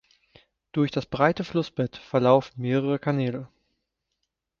Durch das breite Flussbett verlaufen mehrere Kanäle.